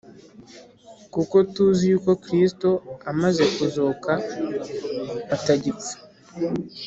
kuko tuzi yuko Kristo amaze kuzuka atagipfa